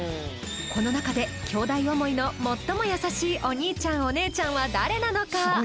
この中できょうだい思いの最も優しいお兄ちゃんお姉ちゃんは誰なのか？